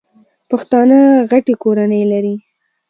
پښتانه غټي کورنۍ لري.